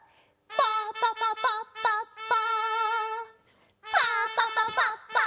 ・パパパパッパッパ。